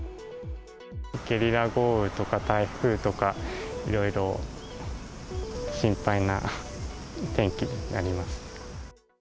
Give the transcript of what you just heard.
ゲリラ豪雨とか台風とか、いろいろ、心配な天気になりますね。